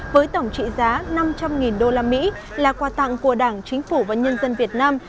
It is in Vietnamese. với tổng trị giá năm trăm linh đô la mỹ là quà tặng của đảng chính phủ và nhân dân việt nam